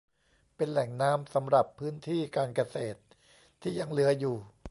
เป็นแหล่งน้ำสำหรับพื้นที่การเกษตรที่ยังเหลืออยู่